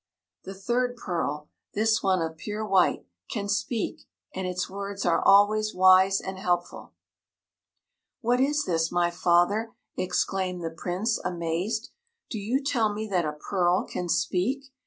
The third pearl this one of pure white can speak, and its words are always wise and helpful." "What is this, my father!" exclaimed the Prince, amazed; "do you tell me that a pearl can speak?